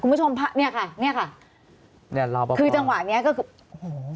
คุณผู้ชมพระเนี่ยค่ะเนี่ยค่ะเนี่ยคือจังหวะเนี้ยก็คือโอ้โห